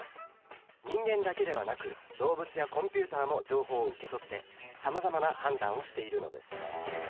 人間だけではなく動物やコンピュータも情報を受け取ってさまざまな判断をしているのです。